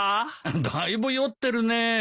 だいぶ酔ってるねえ。